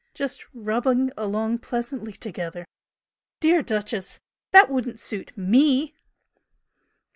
Just 'rubbing along pleasantly together!' Dear 'Duchess,' that wouldn't suit ME!"